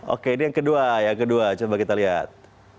oke ini yang kedua yang kedua coba kita lihat